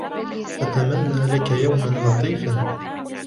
أتمنى لك يوماً لطيفاً.